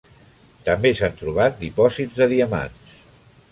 També s'han trobat dipòsits de diamants.